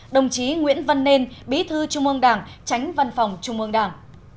đồng chí nguyễn văn nên bí thư trung ương đảng tránh văn phòng trung ương đảng